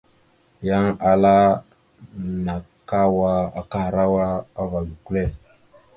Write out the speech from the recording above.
Yan ala : nakawa akahərawa ava gukəle.